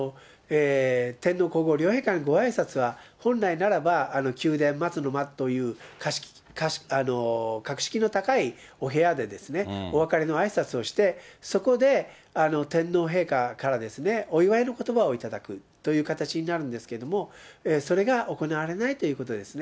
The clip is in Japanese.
天皇皇后両陛下へのごあいさつは、本来ならば、宮殿・松の間という、格式の高いお部屋でお別れのあいさつをして、そこで天皇陛下から、お祝いのことばをいただくという形になるんですけれども、それが行われないということですね。